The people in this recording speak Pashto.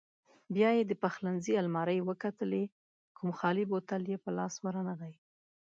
بیا یې د پخلنځي المارۍ وکتلې، کوم خالي بوتل یې په لاس ورنغی.